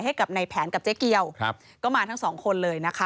ให้กับในแผนกับเจ๊เกียวก็มาทั้ง๒คนเลย